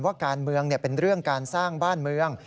ว่าการเมืองเป็นเรื่องการสร้างบ้านเมือง